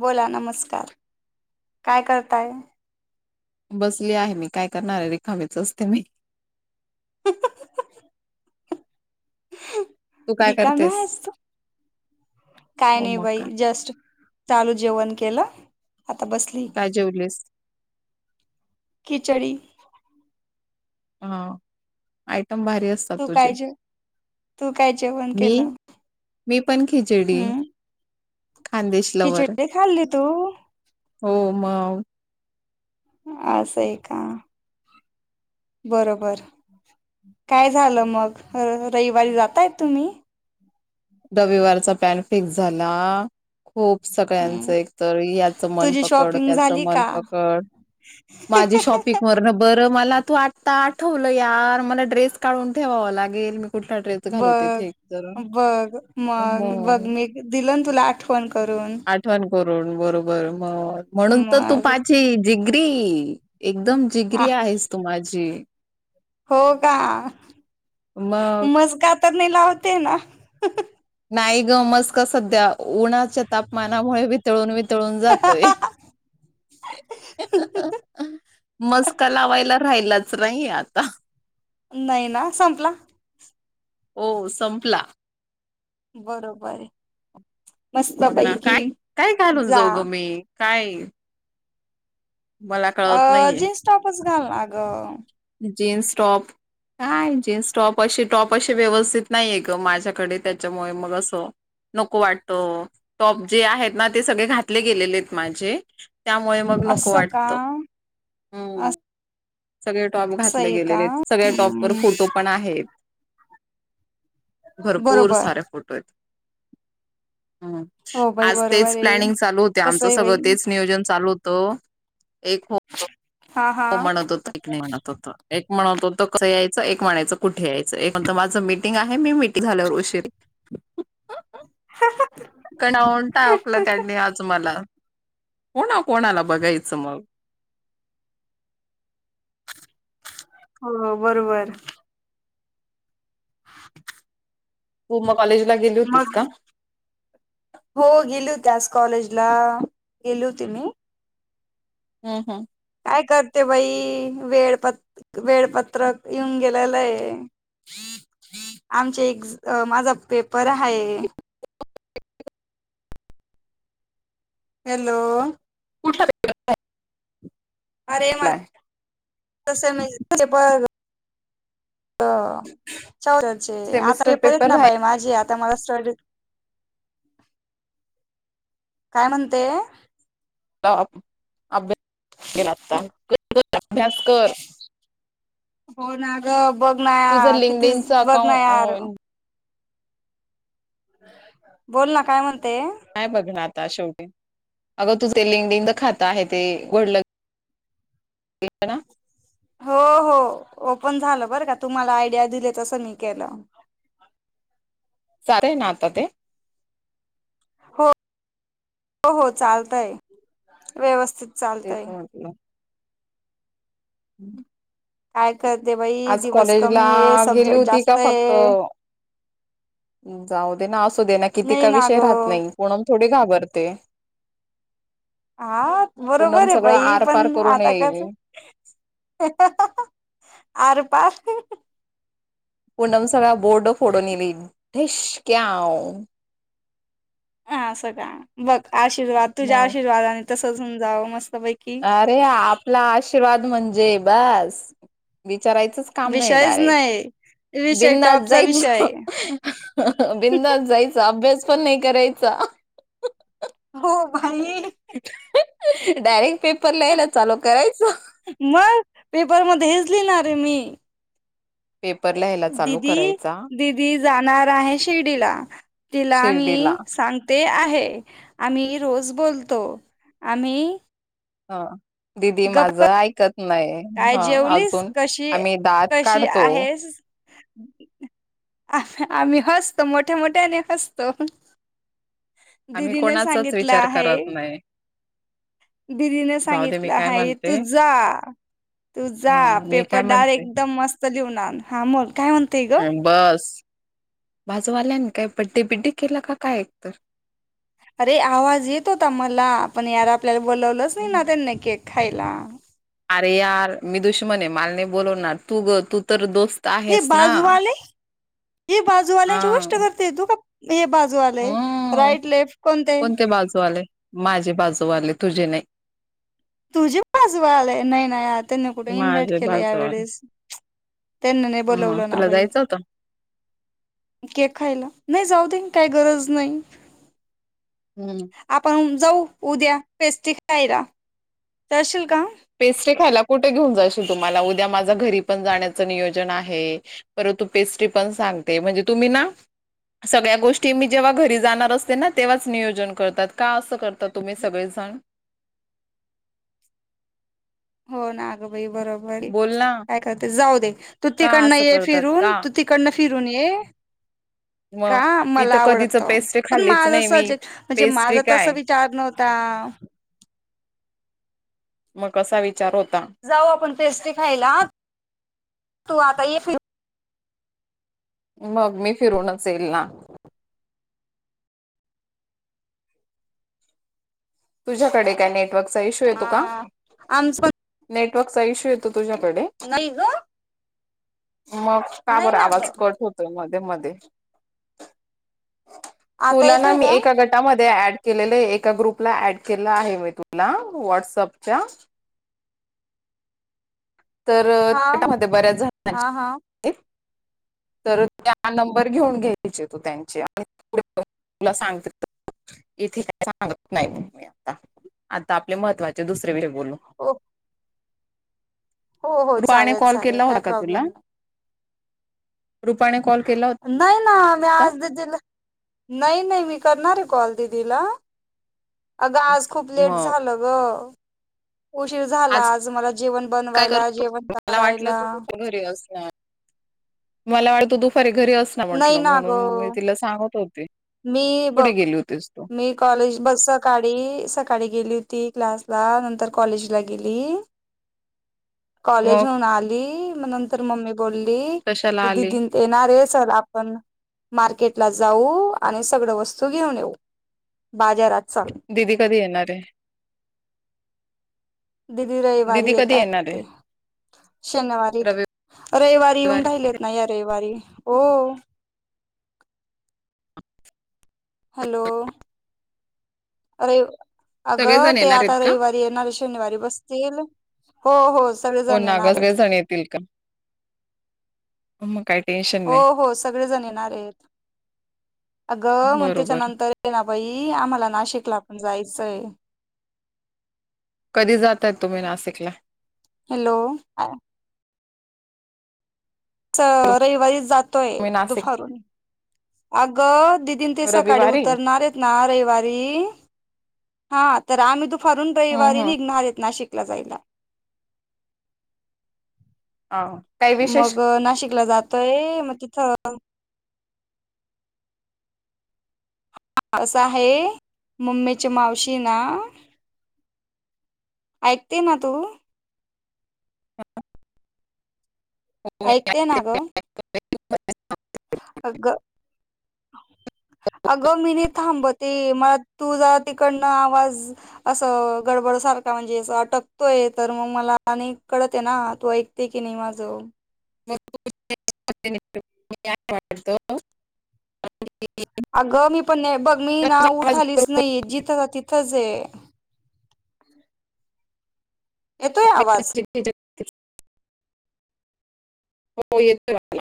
बोला नमस्कार. काय करताय? बसली आहे मी काय करणारे रखामीेच असते मी. [unintelligible] तू [unintelligible] काय रिकाम करतेस? आहेच तू काय हो नाही मग बाई काय. जस्ट चालू जेवण केलं. आता बसली काय जेवलीस? [inaudible] खीचडी. हं ऐक पण भारी असतात तू काय तुझे, जे तू काय जेवण [inaudible] मी केलं? मी पण खिचडी. हम्म खानदेश लवर. खिचडी खाल्ली तू? म. अस आहे का? बरोबर काय झालं मग रविवारी जाताय तुम्ही? रविवारचा पॅन फिक्स झाला. होप हम्म सगळ्यांचं एकतरी याच मन तुझी पकड शॉपिंग त्याच झाली मन का? पकड माझी शॉपिंग वरनं बर बर मला तू आत्ता आठवलं यार मला ड्रेस काढून ठेवावं लागेल मी कुठला ड्रेस घालू तिथे एक तर. घ मग बघ मी दिलं तुला आठवण करून. आठवण करून बरोबर म म्हणून तर मग तूपाजी जी ग्रीन एकदम आ जिग्री आहेस तु माझी. हो का मग मज का तर नाही लावते ना. नाही ग मस्का सध्या उन्हाच्या तापमानामुळे वितळून वित तळून जातोय [inaudible] मस्का लावायला राहिलाच नाहीए आता. नाही ना संपला. ओ संपला. बरोबरये. बघ ना काय, काय घालून जाऊ ग मी? काय? [inaudible] अ कळत नाहीये. जीन्स टॉपच. घाल ना गं. जीन्स टॉप काय जीन्स टॉप अशी टॉप अशी व्यवस्थित नाही आहे ग माझ्याकडे त्याच्यामुळे मग असं नको वाटत टॉप जे आहेत ना ते सगळे घातले गेलेले आहेत माझे. त्यामुळे मग नको असं का वाटत. हम् [inaudible] [unintelligible] टॉप असं घातले आहे का गेलेले आहेत सगळ्या टॉप वर हम्म फोटो पण आहेत. भरपूर बरोबर सारे फोटो आहेत. हम हो बाई आज तेच बरोबर आहे प्लॅनिंग चालू होते कसं आमचं आहे बाई सगळं तेच नियोजन चालू होत तो एक हो हा हा हो म्हणत होता एक नाही म्हणत होत एक म्हणत होत कसं यायचं एक म्हणायचं कुठे यायचं एक म्हणत माझं मिीटिंग आहे मी मिीटिंग झाल्यावर उशीर कणवण टा कलं त्यांनी आज मला कोणा कोणाला बघायचं मग हो बरोबर हो म कॉलेज ला गेली होतीस मग का हो गेली होती आज कॉलेजला गेली होती मी हम् हम्म काय करते बाई वेळपत वेळपत्रक येऊन गेलेलं हे आमचे एक् माझा पेपर आहे हॅलो ुठ अरे मला तसे मचे प हो चौचे आता हे सेमिस्टर परेेत पेपर ना बाई राहिला माझी आता मला स्टॉ काय म्हणते अभ्यासलाता अभ्यास कर हो नाग बघ ना या तुझं किती लिंकडिनच बघणर अकाउंट बोल ना काय म्हणते काय बघ ना आता शेवटी अगं तुझे लिंगडिंग द खातं आहे ते उघडल ना हो हो ओपन झालं बर का तुम्हाला आयडिया दिले तस मी केलं. चारे ना आता ते. हो हो चालतय व्यवस्थित तेच चालतय म्हटलं. [inaudible] काय करते बाई आज दिवस कॉलेजला कमी आहे गेली सब्जेक्ट होती जास्त आहे. म् जाऊ दे ना किती नाही का ना विषय ग राहत नाही. थोडे घाबरते. हा पूनम बरोबर आहे सगळं बाई आरपार पण करून आता कस, येईल आर पार. पूणम सगळा बोर्ड फोडून ईली ढिशक्याव. हा सगळा बघ. आशीर्वाद तुझ्या मग आशीर्वादने तसं असून जावं मस्त अरे आपला आशीर्वाद म्हणजे बस. विचारायचच काम नाही विषयच डायरे नाही विषय बिंधास्त टॉपचा जायच, विषय बिंधास्त जायच अभ्यास पण नाही करायचा. हो भाई. डायरेक्ट पेपर ल्यायला चालू करायचं. पेपर मध्ये हेच लिणार रे मी. पेपर लिहायला चालू दीदी करायचा दिदी जाणार आहे शिर्डीला तिला शिर्डीला मी सांगते आम्ही रोज बोलतो. आम्ही हा. दिदी गप्प माझं ऐकत नाही. काय ह जेवलीस अजून आम्ही दात काढतो. आ आम्ही हसतो मोठ्या मोठ्या आणि हसतो. आम्ही दिदीने कोणाचाच सांगितलं विचार आहे करत नाही दिदीने जाऊ दे सांगित मी काय हाय तू म्हणते जा तू जा हा मी पेपर काय म्हणते डायरेक्ट एकदम मस्त लिहून आण हा म काय. म्हणतेय ग हम बस. माजूवाल्यानी काय बड्डेबिड्डी केला का काय एकतर. अरे आवाज येत होता मला पण यार आपल्याला बोलवलंच नाही ना त्यांनी केक खायला. अरे यार मी दुश्मन आहे माल नाय बोलवणार तू ग तू तर दोस्. हे बाजूवाले हे हा बाजूवाल्याची गोष्ट करते तू का? हे बाजुवाले हम्म राईट लेफ्ट कोणते? बाजूवाले माझे बाजूवाले तुझे नाय. तुझी बाजू वाले नाही नाही त्यांनी कुठे इन्व्हाइट माझे केलं बाजूवाले यावेेळेस त्यांनी नाही मग बोलवलं ना तुला बाई जायचं होतं केक खायला नाही जाऊ दे. काही गरज नाही. हम्म आपण हून. जाऊ उद्या पेस्ट्री खायला. स [unintelligible] पेस्ट्री खायला. कुठे घेऊन जायशील तुम्हाला उद्या माझ्या घरी पण जाण्याचं नियोजन आहे परंतु पेस्ट्री पण सांगते म्हणजे तुम्ही ना सगळ्या गोष्टी मी जेव्हा घरी जाणार असते ना तेव्हाच नियोजन करतात का असं करता. तुम्ही सगळेजण हो ना आग बाई बरोबर बोल ना काय करते जाऊ दे तू का तिकडन असं ये करतात फिरून का तू तिकडन फि फिरून ये मग का मी मला तर कधीच आवडत पेस्ट्री पण खाल्लीच माझ नाही मी सज म्हणजे पेस्ट्री माझा तसा काय विचार नव्हता मग कसा वि जाऊ आपण पेस्ट्री खायला तू आता ये फिरून मग मी फिरून च येईल ना. तुझ्याकडे काय नेटवर्क चा हा आमचं. नेटवर्कचा इशू येतो तुझ्याकडे पण नाही ग मग का बर नाही ना आवाज ग कट होत मधेच मध्ये आता तुला ना येतोय मी का एका गटामध्ये ऍड केलेले आहे एका ग्रुप ला ऍड केला आहे मी तुला व्हटसअपच्या तर हा त्याटमध्ये बऱ्याच जण हा हा आहेत तर तर नंबर घेऊन घ्यायचे तू त्यांचे आणि तुला सांगते इथे काय सांगत नाही मी आता आता आपले महत्त्वाचे दुसरे [unintelligible] हो हो हो रुपाने चालेल कॉल चालेल केला काय होता का प्रॉब्लेम तुला नाही. रुपाने कॉल केला नाही ना मी होता आज दि नाही नाही मी करणार आहे कॉल दिदीला. अगं आज खूप लेट मग झालं ग उशीर झाला आज मला जेवण काय करू बनवायला जेवण मला वाटलं करायला. तू दुपारी घरी असणार मला वाटले तर दुपारी घरी अस ना नाही म्हटलं म्हणून मी गं, तिला सांगत होत मी बघ मी कॉलेज बस सकाळी सकाळी गेली क्लासला नंतर कॉलेजला गेली ती कॉलेज मग होऊन आली ग नंतर मम्मी.. बोलली कशाला क आली दीदी येणार रे. चल आपण मार्केट ला जाऊ.. आणि सगळ वस्तू घेऊन येऊ बाजारात.. चल. दिदी कधी येणार. ते दिदी रविवारी येत आहेत ते शनिवारी रविवारी येऊन राहिलेत ना या रविवारी हो हॅलो अरे अगं सगळेजण ते येणार आहेत आता का रविवारी येणारे शनिवारी बसतील. हो हो हो सगळेजण नागास येणार आहेत सगळे जण येतील का. आम काय टेन्शन हो नाही हो सगळेजण येणार आहेत अगं मग बरोबर त्याच्यानंतर ये नाबाई आम्हाला नाशिकला आपण जायच. जायचंय कधी जातय तुम्ही नाशिकला. हॅलो रविवारी जात. य मी नाशिक दुपारून अग दिदीन ते सकाळी रविवारी उतरणार आहेत ना रविवारी हा तर आम्ही दुपारून हं रविवारी हं. निघणार देत नाशिक जाईला ह मग नाशिकला जातोय मग तिथं हो हा असं आहे मम्मीच्या मावशी ना ऐकते ना तू. ऐकते ना ग. हर अगं अगं मी नाही थांबते मला तू जरा तिकडनं आवाज असं गडबड सारखा म्हणजे अस अटकतोय तर मग मला आणि कळत आहे ना तू ऐकते की नाही माझं म वातो अगं मी पण नाही बघ मी ना उठालीच नाही जिथंच तिथंच आहे येतोय आवाज? हो येत मला [inaudible]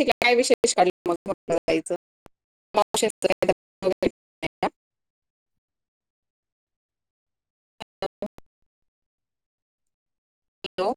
काय विषय काढला मग जायचं हॅलो